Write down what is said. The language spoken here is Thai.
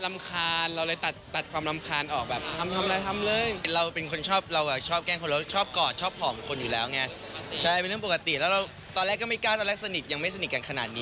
มันก็ไม่ใช่เขาต้องเข้ามาแล้วมีความสุขครับ